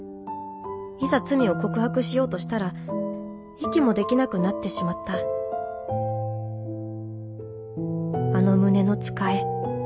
いざ罪を告白しようとしたら息もできなくなってしまったあの胸のつかえ。